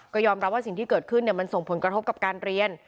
ก็ยอมรับว่าสิ่งที่เกิดขึ้นมันส่งผลกระทบกับการเรียน